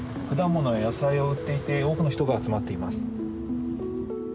果物や野菜を売っていて多くの人が集まっています。